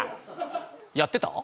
やってた？